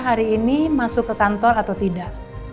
hari ini masuk ke kantor atau tidak